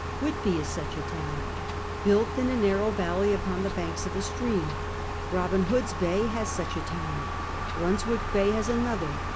Whitby is such a town, built in a narrow valley upon the banks of a stream. Kol>in Hood's Bay has such a town. liunswick Bay has another.